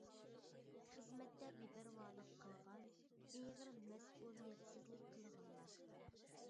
خىزمەتتە بىپەرۋالىق قىلغان، ئېغىر مەسئۇلىيەتسىزلىك قىلغانلار.